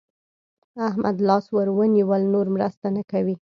احمد لاس ور ونيول؛ نور مرسته نه کوي.